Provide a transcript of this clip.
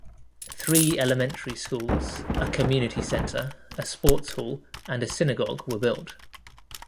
Three elementary schools, a community center, a sports hall, and a synagogue were built.